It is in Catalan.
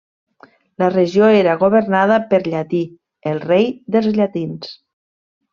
La regió era governada per Llatí, el rei dels llatins.